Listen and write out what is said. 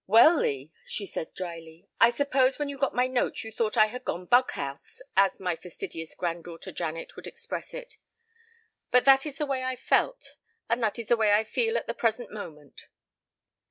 "Well, Lee!" she said drily. "I suppose when you got my note you thought I had gone bug house, as my fastidious granddaughter Janet would express it. But that is the way I felt and that is the way I feel at the present moment."